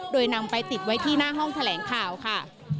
โดยนำไปติดไว้ที่หน้าห้องแถลงข่าวค่ะ